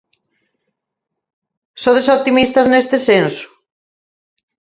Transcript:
Sodes optimistas neste senso?